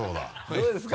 どうですか？